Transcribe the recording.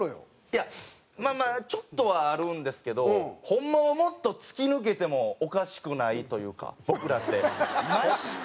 いやまあまあちょっとはあるんですけどホンマはもっと突き抜けてもおかしくないというか僕らって。